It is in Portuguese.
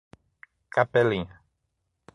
Capelinha